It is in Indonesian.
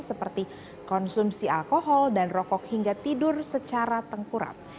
seperti konsumsi alkohol dan rokok hingga tidur secara tengkurap